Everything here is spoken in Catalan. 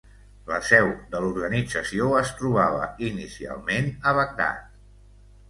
La seu de l'organització es trobava inicialment a Bagdad.